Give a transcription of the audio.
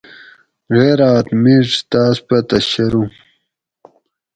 غیراۤت مِیڛ تاۤس پتہ شروم